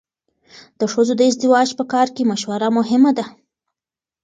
د ښځو د ازدواج په کار کې مشوره مهمه ده.